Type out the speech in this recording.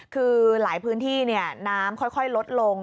คือหลายพื้นที่น้ำค่อยลดลง